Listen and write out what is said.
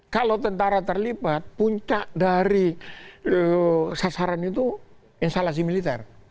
kalau tentara terlipat puncak dari sasaran itu instalasi militer